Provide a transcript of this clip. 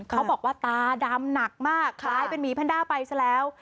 เขาบอกว่าตาดำหนักมากคล้ายเป็นหมีแพนด้าไปซะแล้ว